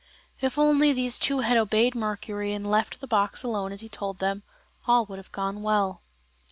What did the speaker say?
If only these two had obeyed Mercury and had left the box alone as he told them, all would have gone well.